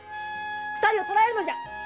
二人を捕えるのじゃ！